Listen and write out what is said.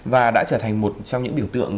và đã trở thành một trong những biểu tượng